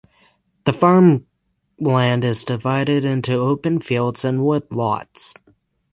The farmland is divided into open fields and wood lots.